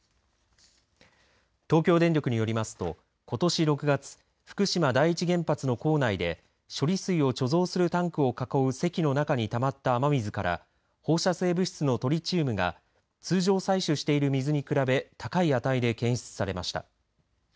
東京電力によりますとことし６月福島第一原発の構内で処理水を貯蔵するタンクを囲うせきの中にたまった雨水から放射性物質のトリチウムが通常採取してる水に比べ高い値で検出されました。